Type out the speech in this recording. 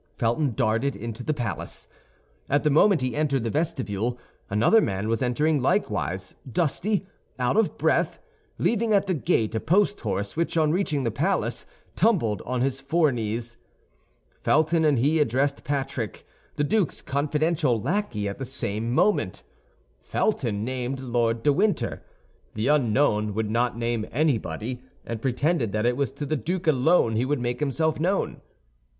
Felton darted into the palace. At the moment he entered the vestibule, another man was entering likewise, dusty, out of breath, leaving at the gate a post horse, which, on reaching the palace, tumbled on his foreknees. Felton and he addressed Patrick, the duke's confidential lackey, at the same moment. Felton named Lord de Winter; the unknown would not name anybody, and pretended that it was to the duke alone he would make himself known.